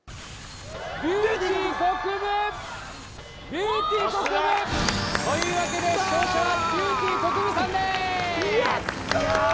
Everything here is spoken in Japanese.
ビューティーこくぶというわけで勝者はビューティーこくぶさんでーすいやったー！